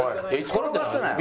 転がすなよ。